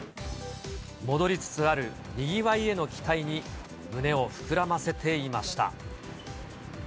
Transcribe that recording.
戻りつつあるにぎわいへの期待に胸を膨らませていました。